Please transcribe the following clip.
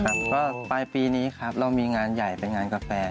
ครับก็ปลายปีนี้ครับเรามีงานใหญ่เป็นงานกาแฟ